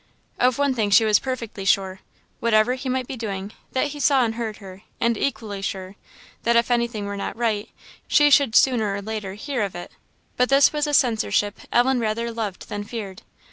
Of one thing she was perfectly sure, whatever he might be doing that he saw and heard her; and equally sure, that if anything were not right, she should sooner or later hear of it. But this was a censorship Ellen rather loved than feared.